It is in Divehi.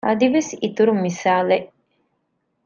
އަދިވެސް އިތުރު މިސާލެއް